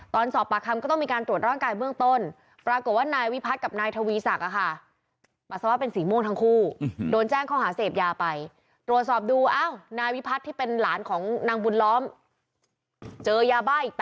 ตอนสอบปากคำก็ต้องมีการตรวจร่างกายเบื้องต้นปรากฏว่านายวิพัฒน์กับนายทวีศักดิ์ค่ะ